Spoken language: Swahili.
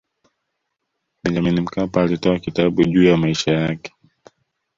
Benjamin Mkapa alitoa kitabu juu ya maisha yake